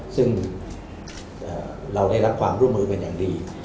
คือเราได้รักความร่วมมือกันอย่างดี